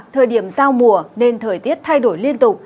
thời điểm giao mùa nên thời tiết thay đổi liên tục